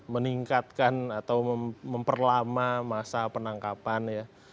meningkatkan atau memperlama masa penangkapan ya